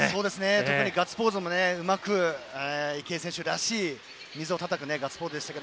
特にガッツポーズも池江選手らしい水をたたくガッツポーズでしたね。